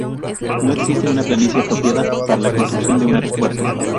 No existe una planicie apropiada para la construcción de un aeropuerto.